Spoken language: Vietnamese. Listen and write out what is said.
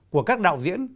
của các đạo diễn